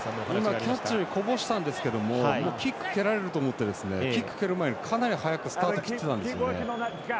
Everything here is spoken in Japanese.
今、キャッチをこぼしたんですけどキック蹴られると思ってキックを蹴られる前にかなり早くスタート切ってたんですよ。